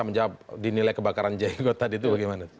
menjawab dinilai kebakaran jenggot tadi itu bagaimana